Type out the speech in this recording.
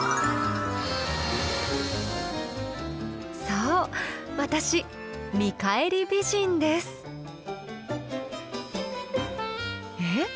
そう私「見返り美人」です。え？